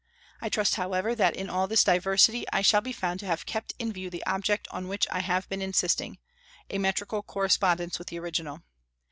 I trust, however, that in all this diversity I shall be found to have kept in view the object on which I have been insisting, a metrical correspondence with the original.